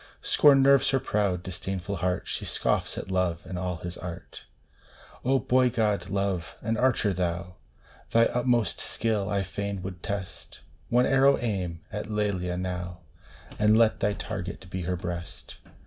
Scorn nerves her proud, disdainful heart ! She scoffs at Love and all his art ! Oh, boy god, Love ! An archer thou ! Thy utmost skill I fain would test ; One arrow aim at Lelia now, And let thy target be her breast